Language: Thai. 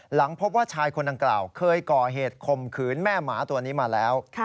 หลังพบว่าชายคนดังกล่าวเคยก่อเหตุคมขืนแม่หมาตัวนี้มาแล้ว